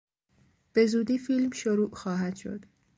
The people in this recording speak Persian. به زودی فیلم شروع خواهد شد.